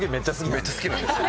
めっちゃ好きなんですよ。